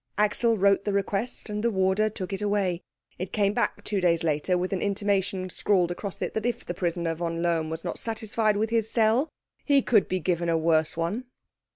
Axel wrote the request, and the warder took it away. It came back two days later with an intimation scrawled across it that if the prisoner von Lohm were not satisfied with his cell he would be given a worse one.